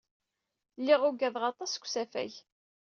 Lliɣ ugadeɣ aṭas deg usafag.